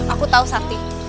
aku tahu sakti